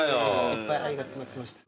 いっぱい愛が詰まってました。